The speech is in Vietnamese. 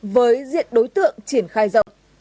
với diện đối tượng triển khai rộng